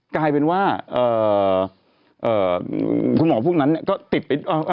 กลายเป็นว่าคุณหมอพวกนั้นก็ติดไป